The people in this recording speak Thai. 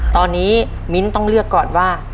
ตอนนี้มิ้นท์ต้องเลือกก่อนว่า